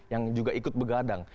yang juga ikut begadang